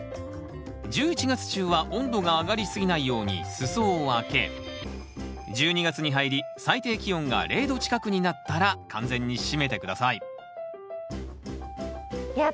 １１月中は温度が上がりすぎないように裾を開け１２月に入り最低気温が０℃近くになったら完全に閉めて下さいいや